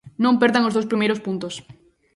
Non perdan os dous primeiros puntos.